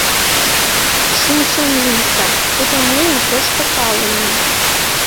Шинчен лийза, тудо мыйын тошто палымем!